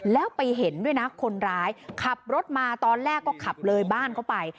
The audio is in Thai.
แล้วไปเห็นด้วยนะคนร้ายขับรถมาตอนแรกก็ขับเลยบ้านเข้าไป